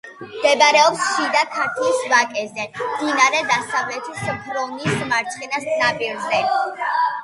მდებარეობს შიდა ქართლის ვაკეზე, მდინარე დასავლეთის ფრონის მარცხენა ნაპირზე.